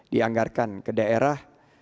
dianggarkan ke daerah